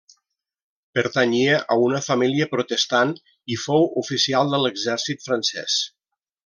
Pertanyia a una família protestant, i fou oficial de l'exèrcit francès.